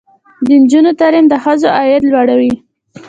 د نجونو تعلیم د ښځو عاید لوړوي.